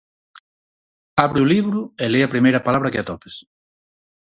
Abre o libro e le a primeira palabra que atopes.